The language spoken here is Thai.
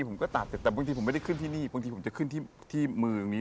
แต่เขาตัดได้มั้ยอันนี้อย่างนี้อย่างนี้อย่างนี้อย่างนี้